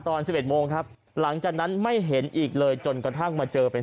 ตอน๑๑โมงครับหลังจากนั้นไม่เห็นอีกเลยจนกระทั่งมาเจอเป็น